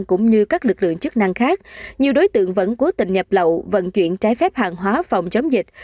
cũng như các lực lượng chức năng khác nhiều đối tượng vẫn cố tình nhập lậu vận chuyển trái phép hàng hóa phòng chống dịch